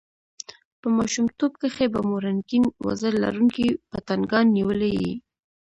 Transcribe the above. په ماشومتوب کښي به مو رنګین وزر لرونکي پتنګان نیولي يي!